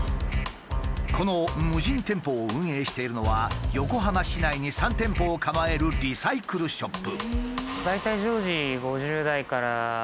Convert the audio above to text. この無人店舗を運営しているのは横浜市内に３店舗を構えるリサイクルショップ。